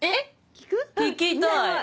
聴きたい。